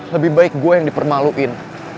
lebih baik gue yang dipermaluin